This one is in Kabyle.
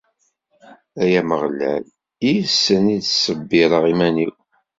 Ay Ameɣlal, yes-sen i ttṣebbireɣ iman-iw!